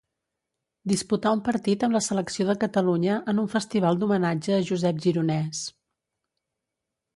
Disputà un partit amb la selecció de Catalunya en un festival d'homenatge a Josep Gironès.